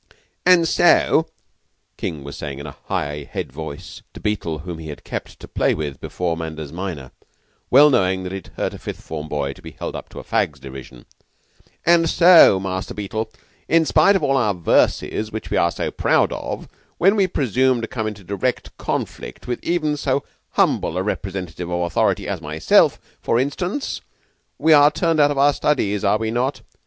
"And so," King was saying in a high head voice to Beetle, whom he had kept to play with before Manders minor, well knowing that it hurts a Fifth form boy to be held up to a fag's derision, "and so, Master Beetle, in spite of all our verses, which we are so proud of, when we presume to come into direct conflict with even so humble a representative of authority as myself, for instance, we are turned out of our studies, are we not?"